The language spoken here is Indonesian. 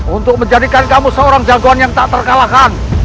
untuk menjadikan kamu seorang jagoan yang tak terkalahkan